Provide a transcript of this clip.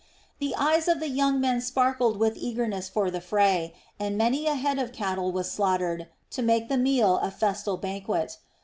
The eyes of the young men sparkled with eagerness for the fray, and many a head of cattle was slaughtered to make the meal a festal banquet.